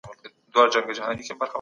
انسان کله ناکله نه پوهیږي چي څه غواړي.